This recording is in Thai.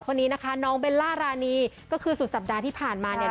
คนนี้นะคะน้องเบลล่ารานีก็คือสุดสัปดาห์ที่ผ่านมาเนี่ย